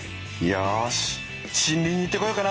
よし森林に行ってこようかな。